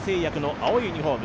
青いユニフォーム。